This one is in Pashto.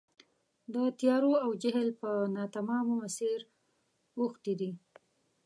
د تیارو او جهل پر ناتمامه مسیر اوښتي دي.